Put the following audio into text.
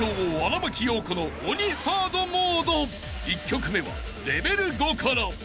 ［１曲目はレベル５から］